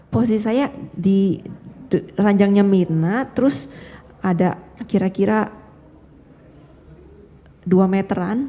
posisi saya di ranjangnya mirna terus ada kira kira dua meteran